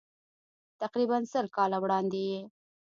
تقریباً سل کاله وړاندې یې.